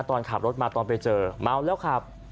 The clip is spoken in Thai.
ตอนขับรถมาตอนไปเจอเมาแล้วขับ